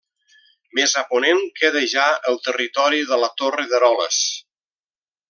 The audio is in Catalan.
Més a ponent queda ja el territori de la Torre d'Eroles.